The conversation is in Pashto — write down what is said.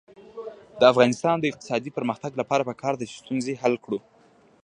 د افغانستان د اقتصادي پرمختګ لپاره پکار ده چې ستونزه حل کړو.